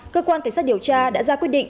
cơ quan cảnh sát điều tra đã ra quyết định